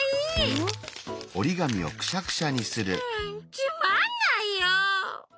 つまんないよ。